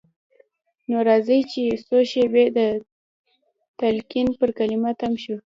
نو راځئ چې څو شېبې د تلقين پر کلمه تم شو.